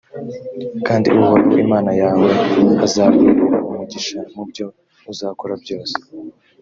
kandi uhoraho imana yawe azaguhera umugisha mu byo uzakora byose.